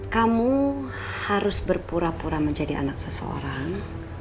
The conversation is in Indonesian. kamu harus berpura pura menjadi anak seseorang